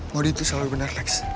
modi itu selalu benar lex